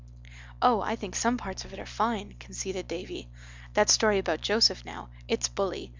"Oh, I think some parts of it are fine," conceded Davy. "That story about Joseph now—it's bully.